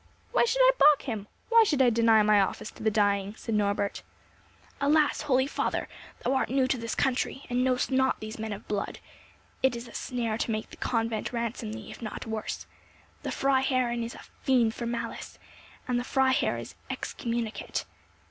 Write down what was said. "Why should I baulk him? Why should I deny my office to the dying?" said Norbert. "Alas! holy father, thou art new to this country, and know'st not these men of blood! It is a snare to make the convent ransom thee, if not worse. The Freiherrinn is a fiend for malice, and the Freiherr is excommunicate."